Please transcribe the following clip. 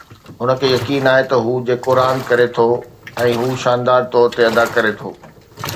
هن کي يقين آهي ته هو جيڪو راند ڪري ٿو ۽ هو شاندار طور تي ادا ڪري ٿو